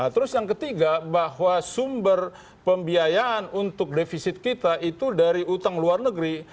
terus yang ketiga bahwa sumber pembiayaan untuk defisit kita itu dari utang luar negeri